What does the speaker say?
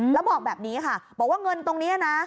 แล้วบอกแบบนี้ค่ะบอกว่าเงินตรงนี้นะ